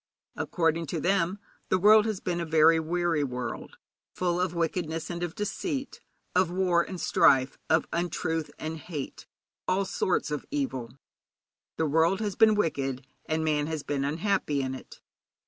According to them the world has been a very weary world, full of wickedness and of deceit, of war and strife, of untruth and of hate, of all sorts of evil. The world has been wicked, and man has been unhappy in it.